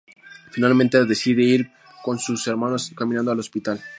Finalmente, decide ir con sus hermanos caminando al hospital.